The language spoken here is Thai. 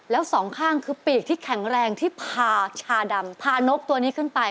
แล้วสองข้างคือปีกที่แข็งแรงที่พาชาดำพานกตัวนี้ขึ้นไป